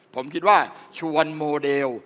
ผมคิดว่าชวนโมเดล